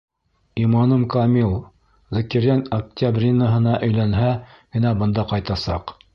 Иманым камил: Зәкирйән Октябринаһына өйләнһә генә бында ҡайтасаҡ.